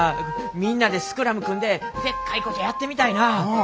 みんなでスクラム組んででっかいことやってみたいなぁ。